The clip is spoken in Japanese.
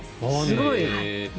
すごい。